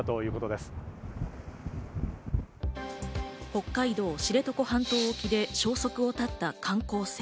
北海道知床半島沖で消息を絶った観光船。